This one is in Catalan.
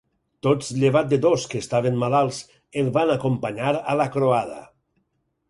Tots llevat de dos, que estaven malalts, el van acompanyar a la croada.